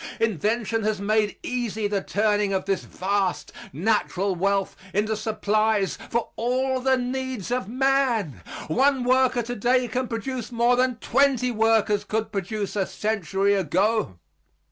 Invention has made easy the turning of this vast natural wealth into supplies for all the needs of man. One worker today can produce more than twenty workers could produce a century ago.